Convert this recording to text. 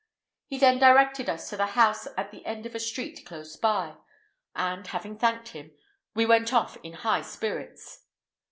He then directed us to a house at the end of a street close by, and, having thanked him, we went off in high spirits.